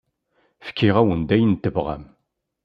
Fkiɣ-awen-d ayen tebɣam.